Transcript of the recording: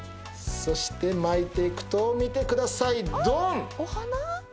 そして巻いて行くと見てくださいドン！